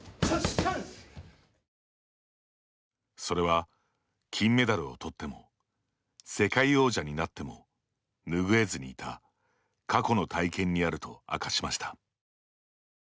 それは、金メダルを取っても世界王者になっても拭えずにいた過去の体験にあると明かしました。